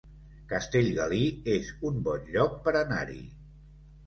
Castellgalí es un bon lloc per anar-hi